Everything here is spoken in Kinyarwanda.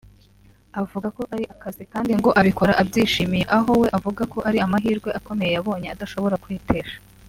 Avuga ko ari akazi kandi ngo abikora abyishimiye aho we avuga ko ari amahirwe akomeye yabonye adashobora kwitesha